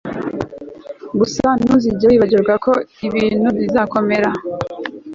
Gusa ntuzigere wibagirwa ko ibintu bizakomera